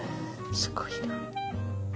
すごいな。